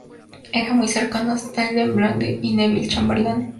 Era muy cercano a Stanley Baldwin y Neville Chamberlain.